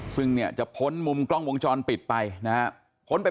ซึ่งเนี่ยจะพ้นมุมกล้องวงจรปิดไปนะฮะ